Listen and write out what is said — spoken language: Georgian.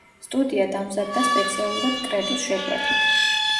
სტუდია დამზადდა სპეციალურად კრეტუს შეკვეთით.